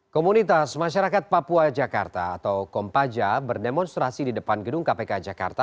komunitas masyarakat papua jakarta atau kompaja berdemonstrasi di depan gedung kpk jakarta